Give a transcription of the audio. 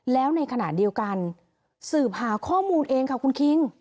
แล้วในขณะเดียวกันสืบหาข้อมูลเองค่ะคุณคิง